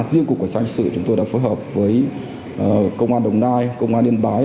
riêng cục cảnh sát hình sự chúng tôi đã phối hợp với công an đồng nai công an yên bái